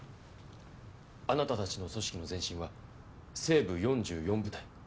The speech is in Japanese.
あなたたちの組織の前身は西部四四部隊。